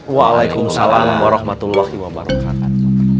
waalaikum salam warahmatullahi wabarakatuh